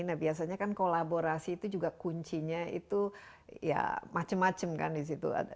nah biasanya kan kolaborasi itu juga kuncinya itu ya macem macem kan disitu